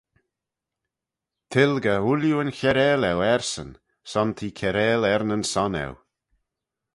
Tilgey ooilley yn chiarail eu ersyn, son t'eh kiarail er ny son eu.